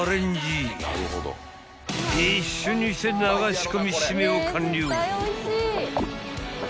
［一瞬にして流し込み締めを完了］